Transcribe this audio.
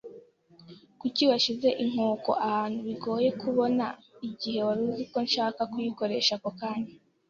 Kuki washyize inkoko ahantu bigoye kubona igihe wari uzi ko nshaka kuyikoresha ako kanya?